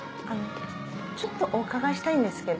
ちょっとお伺いしたいんですけど。